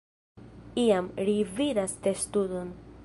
Iam, ri vidas testudon.